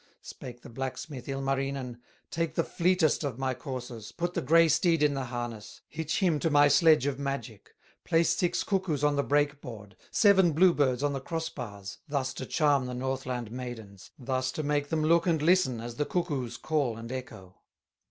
Spake the blacksmith, Ilmarinen: "Take the fleetest of my coursers, Put the gray steed in the harness, Hitch him to my sledge of magic; Place six cuckoos on the break board, Seven bluebirds on the cross bars, Thus to charm the Northland maidens, Thus to make them look and listen, As the cuckoos call and echo.